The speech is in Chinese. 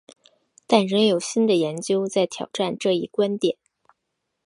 但仍有新的研究在挑战这一观点。